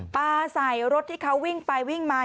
ปลาใส่รถที่เขาวิ่งไปวิ่งมา